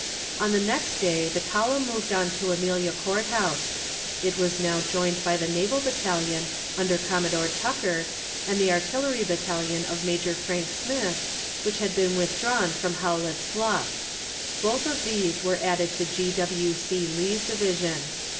On the next day the column moved on to Amelia Court House; it was now joined by the Naval Battalion, under Commodore Tucker, and the artillery battalion of Major Frank Smith, which had been withdrawn from Howlett's Bluff; both of these were added to G. W. C. Lee's division.